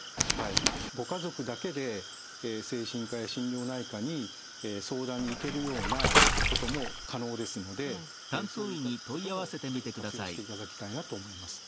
ご家族だけで精神科や心療内科に相談に行けるようなことも可能ですのでそういうことも是非活用していただきたいなと思います。